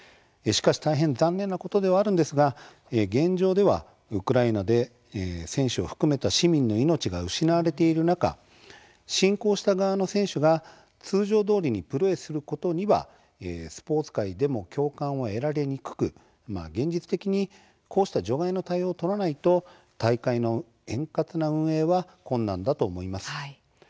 しかし大変残念なことではあるんですが、現状ではウクライナで選手を含めた市民の命が失われている中侵攻した側の選手が通常どおりにプレーすることにはスポーツ界でも共感を得られにくく、現実的にこうした除外の対応を取らないと大会の円滑な運営は困難だと思います。